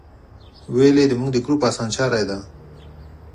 ویل یې زموږ د ګروپ اسانچاری دی.